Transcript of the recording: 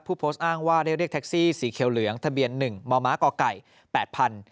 ผู้โพสต์อ้างว่าได้เรียกแท็กซี่สีเขียวเหลืองทะเบียน๑มมก๘๐๐๐บาท